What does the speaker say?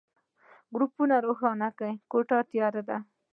ګروپ روښانه کړه، کوټه تياره ده.